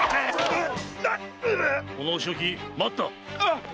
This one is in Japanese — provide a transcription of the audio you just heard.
このお仕置き待った！